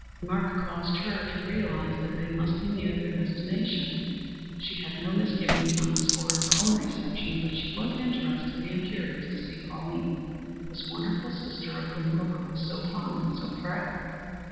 His remark caused her to realize that they must be near their destination. She had no misgivings on the score of her own reception, but she was interested and curious to see Pauline, this wonderful sister of whom Wilbur was so fond and so proud.